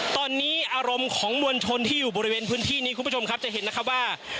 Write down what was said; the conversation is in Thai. ตอนนี้อารมณ์ของมวลชนที่อยู่บริเวณพื้นที่นี้คุณผู้ชมครับจะเห็นนะครับว่า